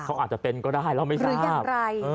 เขาอาจจะเป็นก็ได้เราไม่ทราบ